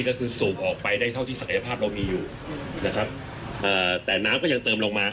ก็คือสูบออกไปได้เท่าที่ศักยภาพเรามีอยู่นะครับอ่าแต่น้ำก็ยังเติมลงมา